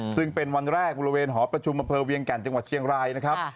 ซึ่งเป็นวันแรกบริเวณหอประชุมอำเภอเวียงแก่นจังหวัดเชียงรายนะครับ